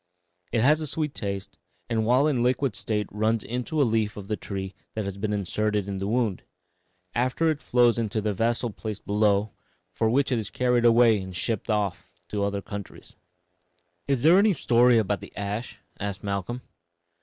It has a sweet taste, and while in a liquid state runs into a leaf of the tree that has been inserted in the wound. Afterward it flows into a vessel placed below, from which it is carried away and shipped off to other countries." "Is there any story about the ash?" asked Malcolm.